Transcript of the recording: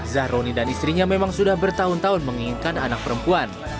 zahroni dan istrinya memang sudah bertahun tahun menginginkan anak perempuan